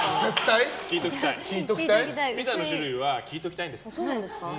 ピザの種類は聞いときたいんです。